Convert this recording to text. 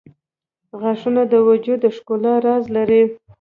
• غاښونه د وجود د ښکلا راز لري.